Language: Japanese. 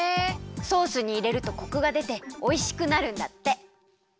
ソースにいれるとコクがでておいしくなるんだって。